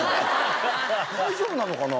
大丈夫なのかな？